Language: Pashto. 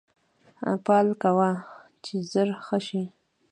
پال کوه چې زر ښه شې